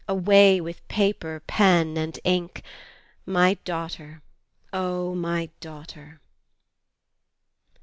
Away with paper, pen, and ink My daughter, O my daughter!